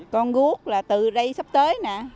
con rút là từ đây sắp tới nè